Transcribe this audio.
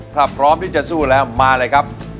ถ้าพร้อมที่จะสู้แล้วมาเลยครับ